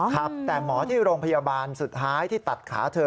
ครับแต่หมอที่โรงพยาบาลสุดท้ายที่ตัดขาเธอ